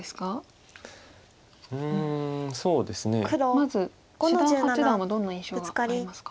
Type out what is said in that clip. まず志田八段はどんな印象がありますか？